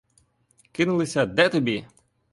Кинулися — де тобі!